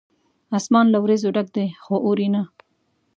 اسمان له وریځو ډک دی ، خو اوري نه